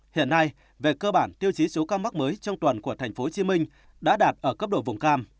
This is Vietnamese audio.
hiện nay về cơ bản tiêu chí số ca mắc mới trong tuần của tp hcm đã đạt ở cấp độ vùng cam